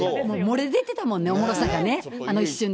漏れ出てたもんね、おもろさがね、あの一瞬で。